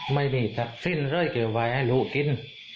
ไม่มีทักษิณร่อยเกี่ยวไว้ให้ลูกกิน